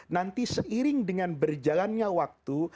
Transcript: nanti seiring dengan berjalannya waktu